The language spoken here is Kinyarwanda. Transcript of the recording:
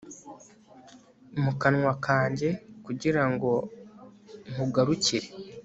mu kanwa kanjye kugira ngo nkugarukire